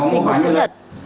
hình hồn chữ thật